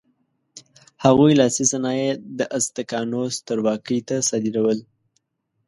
هغوی لاسي صنایع د ازتکانو سترواکۍ ته صادرول.